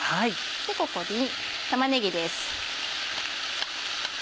ここに玉ねぎです。